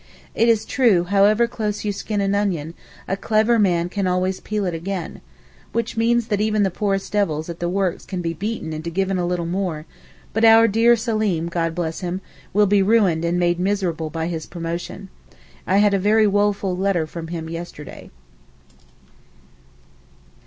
It is true 'however close you skin an onion, a clever man can always peel it again,' which means that even the poorest devils at the works can be beaten into giving a little more; but our dear Seleem, God bless him, will be ruined and made miserable by his promotion. I had a very woeful letter from him yesterday.